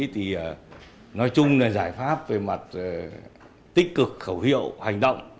thì nói chung là giải pháp về mặt tích cực khẩu hiệu hành động